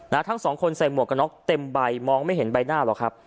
ทั้งสองคนใส่หมวกกระน็อกเต็มใบมองไม่เห็นใบหน้าหรอกครับ